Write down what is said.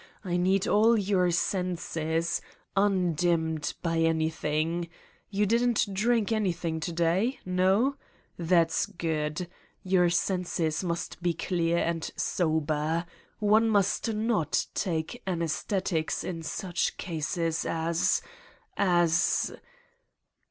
I need all your senses, undimmed by anything ... you didn't drink anything to day? No? That's good. Your senses must be clear and sober. One must not take anesthetics in such cases as . as